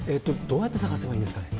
どうやって探せばいいんですかね？